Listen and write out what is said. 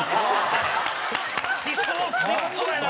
思想強そうやな！